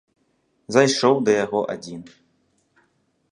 Зайшоў да яго адзін.